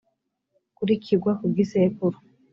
kuri kigwa ku gisekuru